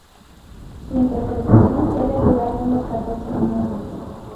Su interpretación suele durar unos catorce minutos.